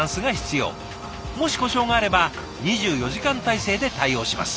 もし故障があれば２４時間体制で対応します。